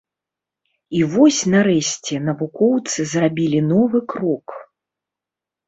І вось, нарэшце навукоўцы зрабілі новы крок.